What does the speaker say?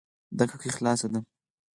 دا کړکي خلاصه ده